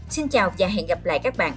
xin chào và hẹn gặp lại các bạn